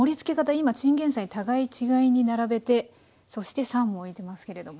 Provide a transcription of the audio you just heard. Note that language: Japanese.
今チンゲンサイ互い違いに並べてそしてサーモンおいてますけれども。